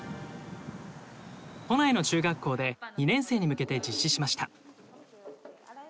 都内の中学校で２年生に向けて実施しました。